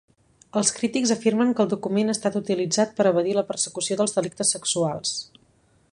Els crítics afirmen que el document ha estat utilitzat per evadir la persecució dels delictes sexuals.